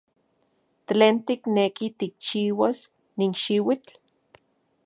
¿Tlen tikneki tikchiuas nin xiuitl?